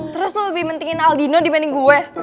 terus tuh lebih pentingin aldino dibanding gue